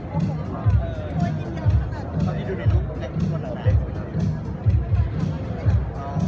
ขอบคุณตัวเองและคนด้านข้าว